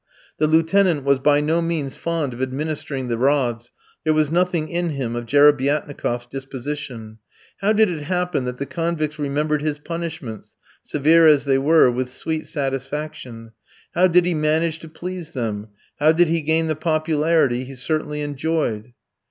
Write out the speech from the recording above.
The Lieutenant was by no means fond of administering the rods; there was nothing in him of Jerebiatnikof's disposition. How did it happen that the convicts remembered his punishments, severe as they were, with sweet satisfaction. How did he manage to please them. How did he gain the popularity he certainly enjoyed?